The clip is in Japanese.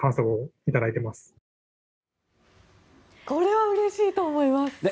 これはうれしいと思います。